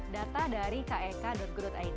data dari kek go id